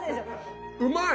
うまい！